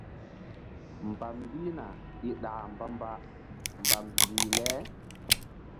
Mbam mbihna i ɗaka mbamba mbam mbih le.